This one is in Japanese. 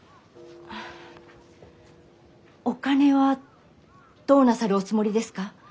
あお金はどうなさるおつもりですか？